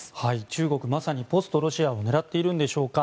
中国、まさにポストロシアを狙っているんでしょうか。